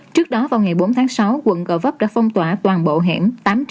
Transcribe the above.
trước đó vào ngày bốn tháng sáu quận gò vấp đã phong tỏa toàn bộ hẻm tám trăm năm mươi bốn